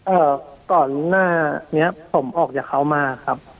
เอ่อตอนหน้าเนี่ยผมออกจากเขามาครับ